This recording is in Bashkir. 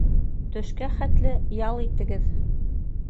Төшкә хәтле ял итегеҙ.